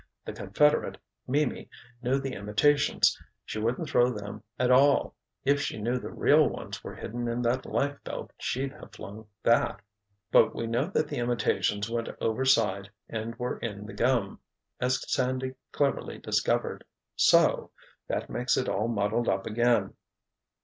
"The confederate—Mimi—knew the imitations! She wouldn't throw them at all. If she knew the real ones were hidden in that life belt she'd have flung that. But we know that the imitations went overside and were in the gum—as Sandy cleverly discovered. So—that makes it all muddled up again!"